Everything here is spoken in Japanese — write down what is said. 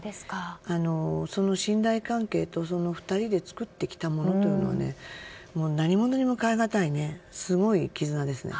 その信頼関係と２人で作ってきたものというのは何物にも代えがたいすごい絆ですね。